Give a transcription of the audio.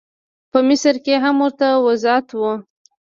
په مصر کې هم ورته وضعیت و.